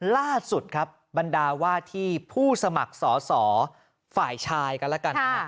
ล่าสุดครับบรรดาว่าที่ผู้สมัครสอสอฝ่ายชายกันแล้วกันนะฮะ